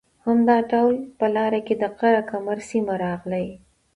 همدا ډول په لاره کې د قره کمر سیمه راغلې